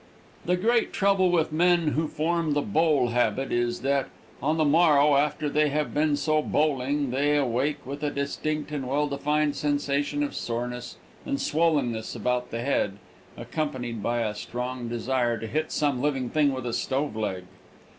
The great trouble with men who form the bowl habit is that, on the morrow, after they have been so bowling, they awake with a distinct and well defined sensation of soreness and swollenness about the head, accompanied by a strong desire to hit some living thing with a stove leg.